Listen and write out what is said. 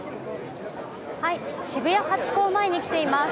渋谷ハチ公前に来ています。